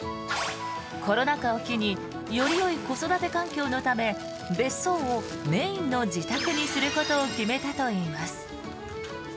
コロナ禍を機によりよい子育て環境のため別荘をメインの自宅にすることを決めたといいます。